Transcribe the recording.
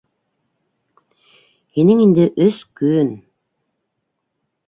Һинең инде өс көн...